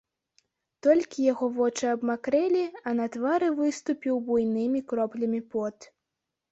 Толькі яго вочы абмакрэлі, а на твары выступіў буйнымі кроплямі пот.